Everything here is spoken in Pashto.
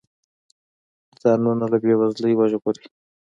ځانونه له بې وزلۍ وژغوري.